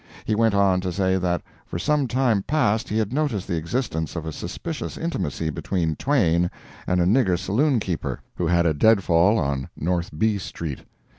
He went on to say that for sometime past he had noticed the existence of a suspicious intimacy between Twain and a nigger saloon keeper, who had a dead fall on North B street.